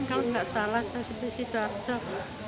kalau tidak salah